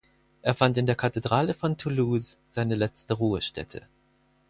Er fand in der Kathedrale von Toulouse seine letzte Ruhestätte.